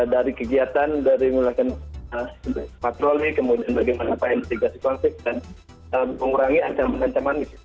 dari kegiatan dari mulai dengan patroli kemudian bagaimana pengelolaan konservasi dan mengurangi ancaman ancaman misi